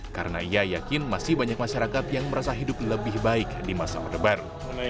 karena ia yakin masih banyak masyarakat yang merasa hidup lebih baik di masa orde baru